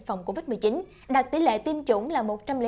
phòng covid một mươi chín đạt tỷ lệ tiêm chủng là một trăm linh ba bốn mươi tám